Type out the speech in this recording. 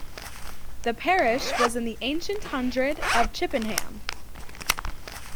The parish was in the ancient hundred of Chippenham.